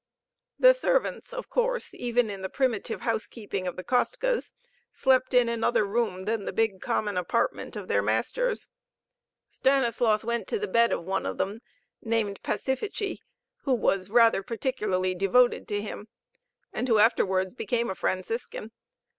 The servants, of course, even in the primitive housekeeping of the Kostkas, slept in another room than the big common apartment of their masters. Stanislaus went to the bed of one of them, named Pacifici, who was rather particularly devoted to him, and who afterwards became a Franciscan.